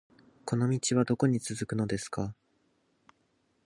この道はどこに続くのですか